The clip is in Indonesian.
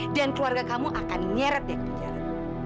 dan keluarga kamu akan nyarat dia ke penjara